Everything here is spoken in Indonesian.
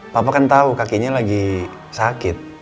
papa kan tahu kakinya lagi sakit